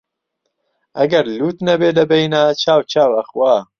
ئەگەر لووت نەبێ لەبەینا، چاو چاو ئەخوا